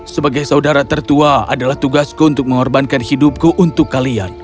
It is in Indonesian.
sebagai saudara tertua adalah tugasku untuk mengorbankan hidupku untuk kalian